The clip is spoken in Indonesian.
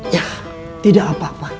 ya tidak apa apa